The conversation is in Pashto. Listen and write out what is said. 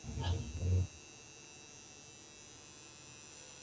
چې پکې د ليکوالو او شاعرانو تعارف